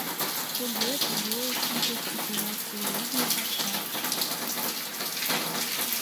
Туге, туге, тиде путырак серьёзный паша.